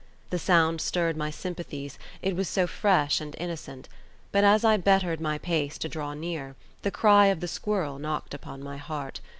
The sound stirred my sympathies, it was so fresh and innocent; but as I bettered my pace to draw near, the cry of the squirrel knocked upon my heart.